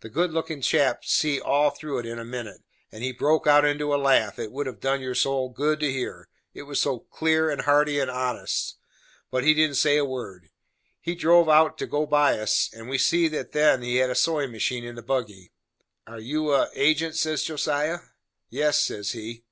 The good lookin' chap see all through it in a minute, and he broke out into a laugh it would have done your soul good to hear, it was so clear and hearty, and honest. But he didn't say a word; he drove out to go by us, and we see then that he had a sewin' machine in the buggy. "Are you a agent?" says Josiah. "Yes," says he.